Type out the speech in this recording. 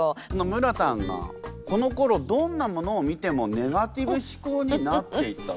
むらたんがこのころどんなものを見てもネガティブ思考になっていたと。